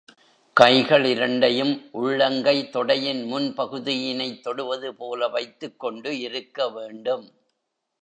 கைகள்இரண்டையும் உள்ளங்கை தொடையின் முன் பகுதியினைத் தொடுவது போல வைத்துக் கொண்டு இருக்க வேண்டும்.